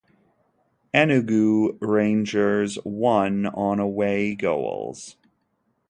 Enugu Rangers won on away goals.